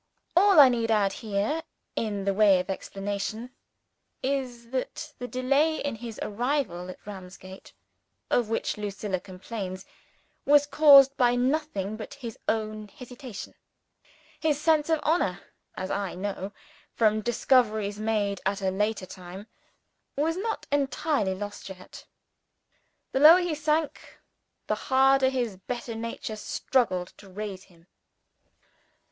All I need add here, in the way of explanation, is that the delay in his arrival at Ramsgate of which Lucilla complains, was caused by nothing but his own hesitation. His sense of honor as I knew, from discoveries made at a later time was not entirely lost yet. The lower he sank, the harder his better nature struggled to raise him.